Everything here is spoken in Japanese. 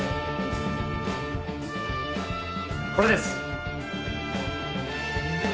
これです！